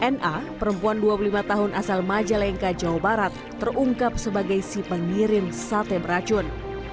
na perempuan dua puluh lima tahun asal majalengka jawa barat terungkap sebagai si pengirim sate beracun